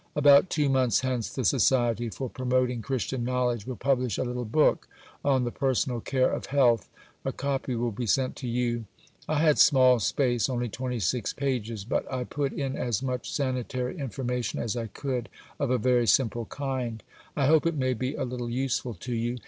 About two months hence the Society for Promoting Christian Knowledge will publish a little book on "the personal care of health." A copy will be sent to you. I had small space, only 26 pages, but I put in as much sanitary information as I could, of a very simple kind. I hope it may be a little useful to you.